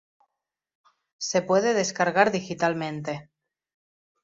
Se puede descargar digitalmente.